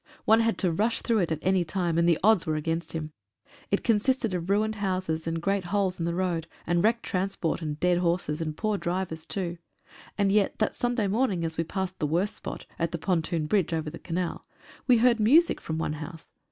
One had to rush through it at any time, and the odds were against him. It consisted of ruined houses, and great holes in the road, and wrecked transport, and dead horses, and poor drivers too. And yet that Sunday morning, as we passed the worst spot (at the pontoon bridge over the canal) we heard music from one house.